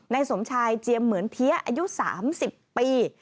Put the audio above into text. สมชายเจียมเหมือนเพี้ยอายุ๓๐ปี